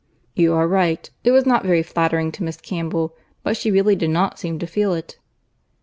"You are right. It was not very flattering to Miss Campbell; but she really did not seem to feel it."